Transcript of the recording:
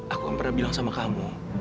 aku yang pernah bilang sama kamu